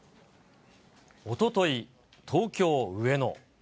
おととい、東京・上野。